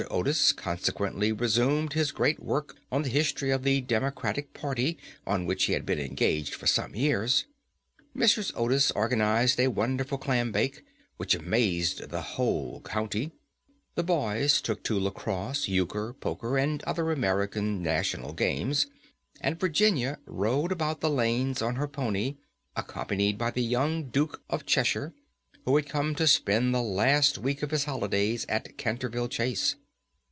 Otis consequently resumed his great work on the history of the Democratic Party, on which he had been engaged for some years; Mrs. Otis organized a wonderful clam bake, which amazed the whole county; the boys took to lacrosse euchre, poker, and other American national games, and Virginia rode about the lanes on her pony, accompanied by the young Duke of Cheshire, who had come to spend the last week of his holidays at Canterville Chase.